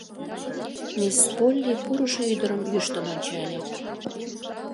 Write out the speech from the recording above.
Мисс Полли пурышо ӱдырым йӱштын ончале.